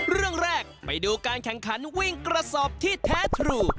เรื่องแรกไปดูการแข่งขันวิ่งกระสอบที่แท้ทรู